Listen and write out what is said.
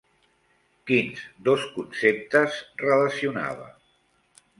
Quins dos conceptes relacionava?